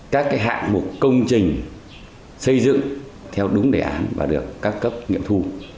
các cái hạng mục công trình xây dựng theo đúng đề án và được cấp cấp nghiệm thu